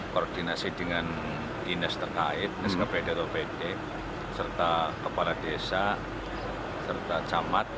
koordinasi dengan dinas terkait neskap pd atau pd serta kepala desa serta camat